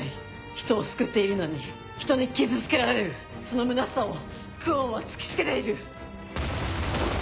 人を救っているのに人に傷つけられるそのむなしさを久遠は突き付けている。